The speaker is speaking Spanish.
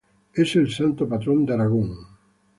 Es el santo patrón de Aragón.